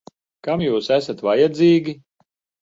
Kam jūs esat vajadzīgi?